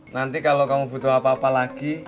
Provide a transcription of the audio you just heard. nanti kalau kamu butuh apa apa lagi